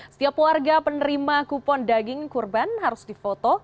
setiap warga penerima kupon daging kurban harus difoto